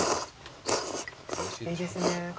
いいですね。